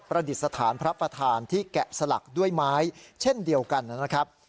ดิษฐานพระประธานที่แกะสลักด้วยไม้เช่นเดียวกันนะครับ